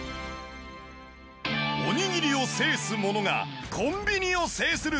おにぎりを制すものがコンビニを制する！